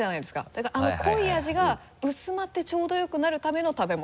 だからあの濃い味が薄まってちょうどよくなるための食べ物。